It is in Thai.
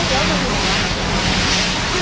สุดท้ายสุดท้ายสุดท้าย